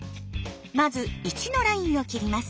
まず１のラインを切ります。